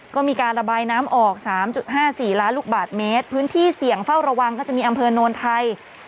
ก็มีการระบายน้ำออก๓๕๔ล้านลูกบาทเมตรพื้นที่เสี่ยงเฝ้าระวังก็จะมีอำเภอโนนไทย